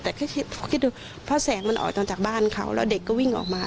แต่คิดดูเพราะแสงมันออกตอนจากบ้านเขาแล้วเด็กก็วิ่งออกมา